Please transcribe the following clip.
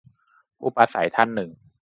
- ผู้ปราศัยท่านหนึ่ง